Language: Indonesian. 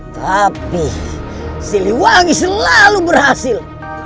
tapi si wangi selalu berhasil